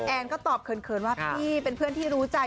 แอนก็ตอบเขินว่าพี่เป็นเพื่อนที่รู้ใจ